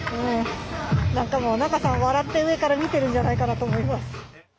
仲さん、笑って上から見てるんじゃないかなって思います。